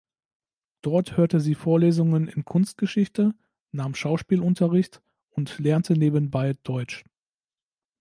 Dort hörte sie Vorlesungen in Kunstgeschichte, nahm Schauspielunterricht und lernte nebenbei Deutsch.